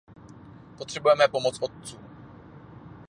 Potřebujeme pomoc otců.